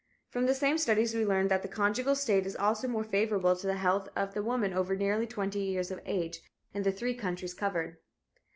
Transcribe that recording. From the same studies we learn that the conjugal state is also more favorable to the health of the woman over twenty years of age, in the three countries covered.